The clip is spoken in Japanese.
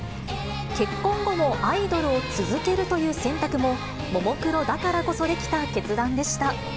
結婚後もアイドルを続けるという選択も、ももクロだからこそできた決断でした。